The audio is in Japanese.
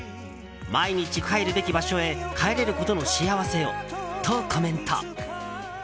毎日帰るべき場所へ帰れることの幸せを、とコメント。